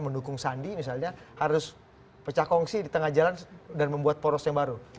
mendukung sandi misalnya harus pecah kongsi di tengah jalan dan membuat poros yang baru